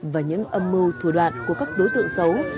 và những âm mưu thủ đoạn của các đối tượng xấu